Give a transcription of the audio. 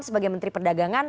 sebagai menteri perdagangan